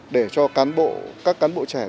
để cho các cán bộ trẻ